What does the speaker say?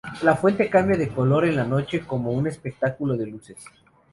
La fuente cambia de color en la noche como un espectáculo de luces.